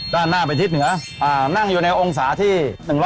ด้านหน้าไปทิศเหนือนั่งอยู่ในองศาที่